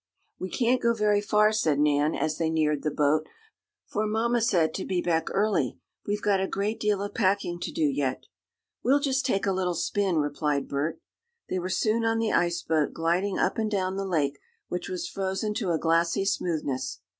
"We can't go very far," said Nan, as they neared the boat, "for mamma said to be back early. We've got a great deal of packing to do yet." "We'll just take a little spin," replied Bert. They were soon on the ice boat, gliding up and down the lake, which was frozen to a glassy smoothness.